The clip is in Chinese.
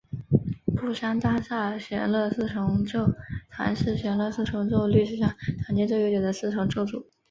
布商大厦弦乐四重奏团是弦乐四重奏历史上建团最悠久的四重奏组。